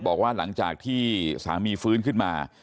บอกว่าหลังจากที่สามีฟื้นขึ้นมา